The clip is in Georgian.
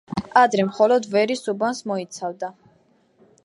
ადრე მხოლოდ ვერის უბანს მოიცავდა.